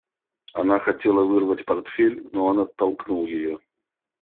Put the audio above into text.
Она хотела вырвать портфель, но он оттолкнул ее.